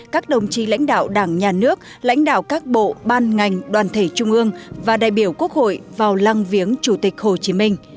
các đồng chí lãnh đạo đảng nhà nước lãnh đạo các bộ ban ngành đoàn thể trung ương và đại biểu quốc hội vào lăng viếng chủ tịch hồ chí minh